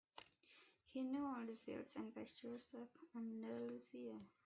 He knew all the fields and pastures of Andalusia.